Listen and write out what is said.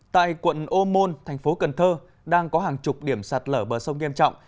tại quận ô môn thành phố cần thơ đang có hàng chục điểm sạt lở bờ sông nghiêm trọng